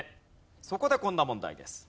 そこでこんな問題です。